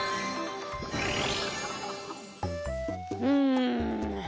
うん。